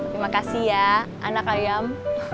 terima kasih ya anak ayam